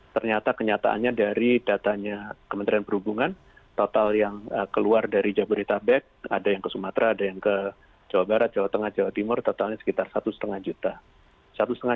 ternyata kenyataannya dari datanya kementerian perhubungan total yang keluar dari jabodetabek ada yang ke sumatera ada yang ke jawa barat jawa tengah jawa timur totalnya sekitar satu lima juta